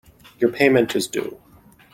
Your payment is due.